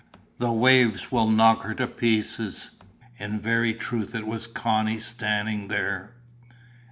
The waves will knock her to pieces!" In very truth it was Connie standing there.